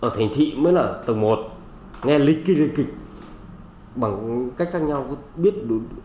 mình thị mới là tầng một nghe lịch kịch lịch kịch bằng cách khác nhau có biết đúng